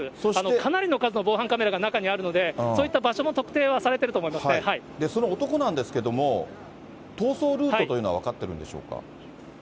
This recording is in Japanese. かなりの数の防犯カメラが中にあるので、そういった場所の特定はその男なんですけども、逃走ルートというのは分かってるんでしょうか？